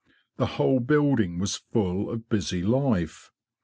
The whole building was full of busy life.